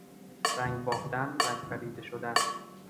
رنگ باختن، رنگ پریده شدن